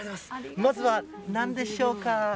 まずはなんでしょうか？